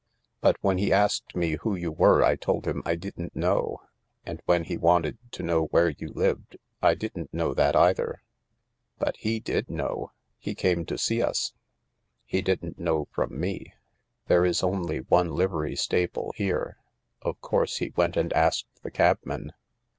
But when he asked me who you were, I told him THE LARK 87 I didn't know. And when he wanted to know where you lived, I didn't know that either." " But he did know ; he came to see us." " He didn't know from me. There is only one livery stable here. Of course he went and asked the cabman.